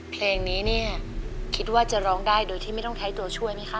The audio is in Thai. เพลงนี้เนี่ยคิดว่าจะร้องได้โดยที่ไม่ต้องใช้ตัวช่วยไหมคะ